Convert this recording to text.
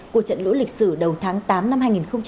của trận lũ lịch sử đầu tháng tám năm hai nghìn một mươi chín